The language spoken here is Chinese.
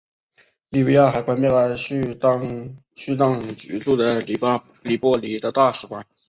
利比亚还关闭了叙当局驻的黎波里的大使馆。